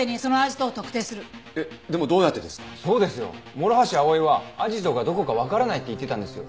諸橋葵はアジトがどこかわからないって言ってたんですよ。